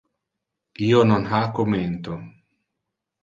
Io non ha commento.